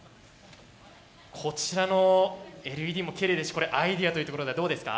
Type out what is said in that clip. こちらのＬＥＤもきれいですしこれアイデアというところではどうですか？